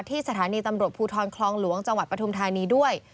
สถานีตำรวจภูทรคลองหลวงจังหวัดปฐุมธานีด้วย